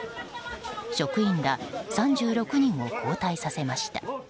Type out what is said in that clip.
職員ら３６人を交代させました。